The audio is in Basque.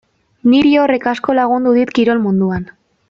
Niri horrek asko lagundu dit kirol munduan.